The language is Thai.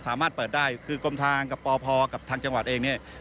สามารถเปิดได้คือกรมทางกับปพกับทางจังหวัดเองเนี่ย